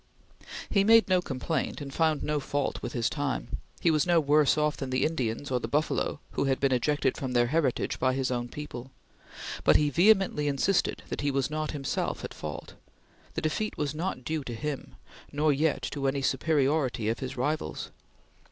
He made no complaint and found no fault with his time; he was no worse off than the Indians or the buffalo who had been ejected from their heritage by his own people; but he vehemently insisted that he was not himself at fault. The defeat was not due to him, nor yet to any superiority of his rivals.